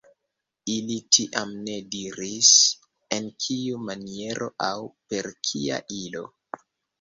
Ili tiam ne diris, en kiu maniero aŭ per kia ilo.